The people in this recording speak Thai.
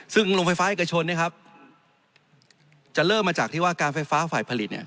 ซึ่งโรงไฟฟ้าเอกชนจะเริ่มมาจากที่ว่าการไฟฟ้าฝ่ายผลิตเนี่ย